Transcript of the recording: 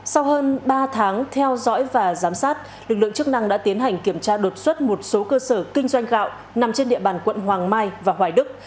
sau hơn ba tháng theo dõi và giám sát lực lượng chức năng đã tiến hành kiểm tra đột xuất một số cơ sở kinh doanh gạo nằm trên địa bàn quận hoàng mai và hoài đức